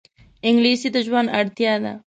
انګلیسي د ژوند اړتیا ده